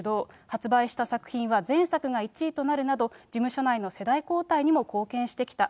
発売した作品は、全作が１位となるなど、事務所内の世代交代にも貢献してきた。